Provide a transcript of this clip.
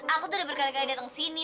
aku tuh udah berkali kali datang sini